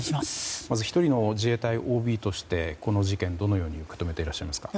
まず１人の自衛隊ＯＢとしてこの事件どのように受け止めていますか？